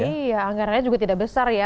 iya anggarannya juga tidak besar ya